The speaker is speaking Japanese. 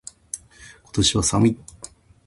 今年は寒い。